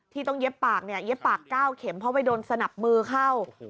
ที่ต้องเย็บปากเนี่ยเย็บปาก๙เข็มเพราะไปโดนสนับมือเข้า